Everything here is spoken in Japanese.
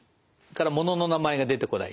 ものの名前が出てこない。